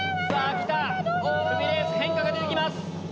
クビレース変化が出て来ます。